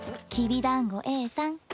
きび団子Ａさん。